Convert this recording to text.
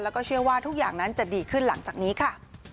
แล้วก็เชื่อว่าทุกอย่างนั้นจะดีขึ้นหลังจากนี้ค่ะ